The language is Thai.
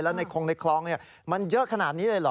ในคงในคลองมันเยอะขนาดนี้เลยเหรอ